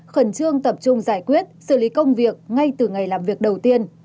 khẩn trương tập trung giải quyết xử lý công việc ngay từ ngày làm việc đầu tiên